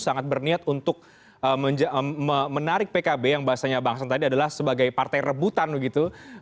sangat berniat untuk menarik pkb yang bahasanya bang sang tadi adalah sebagai partai rebutan begitu